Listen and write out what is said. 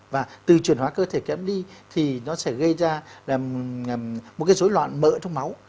và từ truyền hóa cơ thể kém đi thì nó sẽ gây ra một cái dối loạn mỡ trong máu